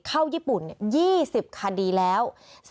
เข้าญี่ปุ่น๒๐คดีแล้ว